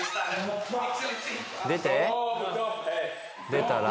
出たら？